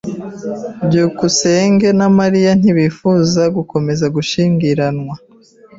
byukusenge na Mariya ntibifuzaga gukomeza gushyingiranwa.